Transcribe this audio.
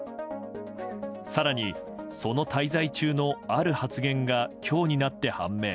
更に、その滞在中のある発言が今日になって判明。